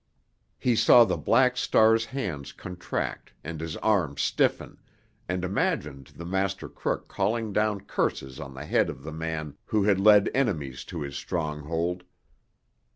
He saw the Black Star's hands contract and his arms stiffen, and imagined the master crook calling down curses on the head of the man who had led enemies to his stronghold.